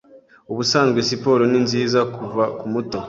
Ubusanzwe siporo ni nziza kuva ku muto